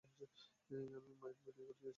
আমি মাইক ঠিক করে দিয়েছিলাম।